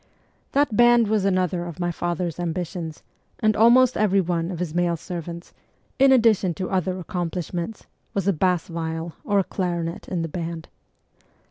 That band was another of my father's ambitions, and almost every one of "his male servants, in addition to other accomplishments, was a bass viol or a clarinet in the band.